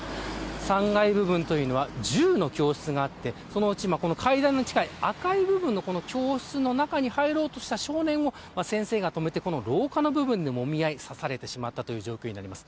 ３階部分は１０の教室があってそのうち階段に近い赤い部分の教室の中に入ろうとした少年を先生が止めて廊下の部分でもみ合い、刺されてしまったという状況です。